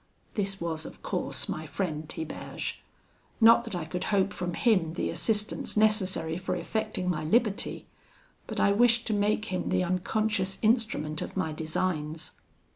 "This was of course my friend Tiberge; not that I could hope from him the assistance necessary for effecting my liberty; but I wished to make him the unconscious instrument of my designs.